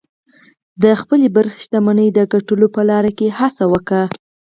د خپلې برخې شتمنۍ د ګټلو په لاره کې هڅه وکړئ